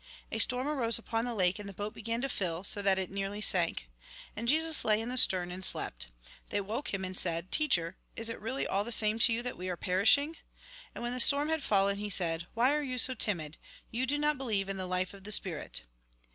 A storm arose upon the lake, and the boat began to fill, so that it nearly sank. And Jesus lay in the stern, and slept. They woke him, and said :" Teacher, is it really all the same to you that we are perishing ?" And, when the storm had fallen, he said :" Why are you so timid ? You do not believe in the life of the spirit.''